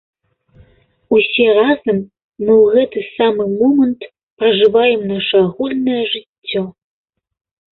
Усе разам мы ў гэты самы момант пражываем наша агульнае жыццё.